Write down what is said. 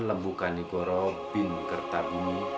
lebukanikoro bin kertabuni